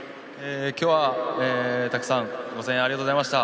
今日は、たくさんご声援ありがとうございました。